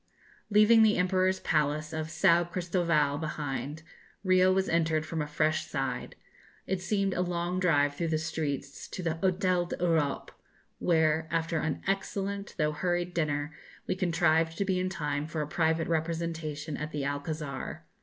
Leaving the Emperor's palace of São Christovão behind, Rio was entered from a fresh side. It seemed a long drive through the streets to the Hôtel de l'Europe, where, after an excellent though hurried dinner, we contrived to be in time for a private representation at the Alcazar.